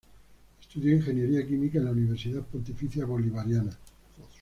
Estudió ingeniería química en la Universidad Pontificia Bolivariana.